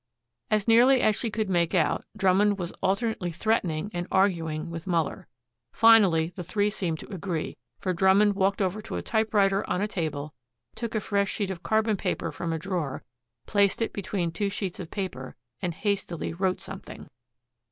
As nearly as she could make out, Drummond was alternately threatening and arguing with Muller. Finally the three seemed to agree, for Drummond walked over to a typewriter on a table, took a fresh sheet of carbon paper from a drawer, placed it between two sheets of paper, and hastily wrote something.